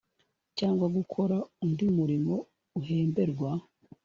cyangwa gukora undi murimo uhemberwa